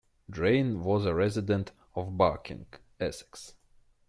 Drain was a resident of Barking, Essex.